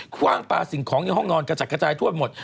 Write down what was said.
คว่างปลาสิ่งของในห้องนอนกระจัดกระจายทั่วหมด